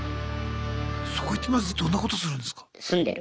そこ行ってまずどんなことするんですか？